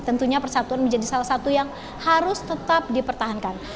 tentunya persatuan menjadi salah satu yang harus tetap dipertahankan